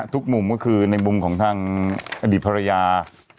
มุมก็คือในมุมของทางอดีตภรรยา